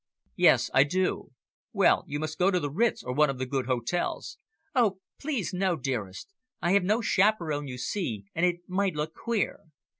"Yes, I do. Well, you must go the Ritz, or one of the good hotels." "Oh, please no, dearest. I have no chaperon, you see, and it might look queer.